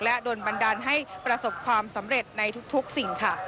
และโดนบันดาลให้ประสบความสำเร็จในทุกสิ่งค่ะ